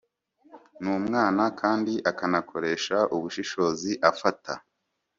N umwana kandi akanakoresha ubushishozi afata